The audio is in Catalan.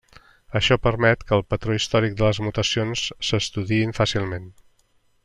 Això permet que el patró històric de les mutacions s'estudiï fàcilment.